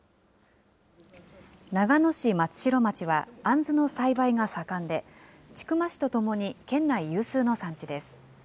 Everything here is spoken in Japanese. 長野市松代町はあんずの栽培が盛んで、千曲市とともに県内有数の産地です。